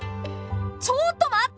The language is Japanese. ちょっと待った！